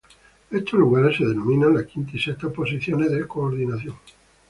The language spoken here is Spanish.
Estos lugares se denominan la quinta y sexta posiciones de coordinación.